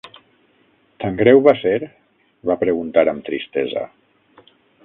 "Tan greu va ser?", va preguntar amb tristesa.